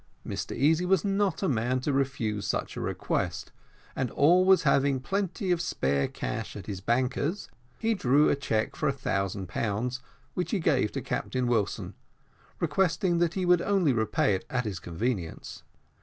Mr Easy was not a man to refuse such a request, and, always having plenty of spare cash at his banker's, he drew a cheque for a thousand pounds, which he gave to Captain Wilson, requesting that he would only repay it at his convenience.